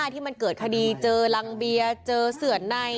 ที่มันเกิดคดีเจอรังเบียเจอเสือดใน